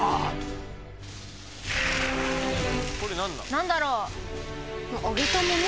何だろう？